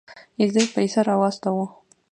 اېزي پيسه راواستوه.